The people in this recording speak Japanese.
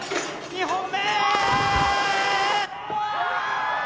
２本目！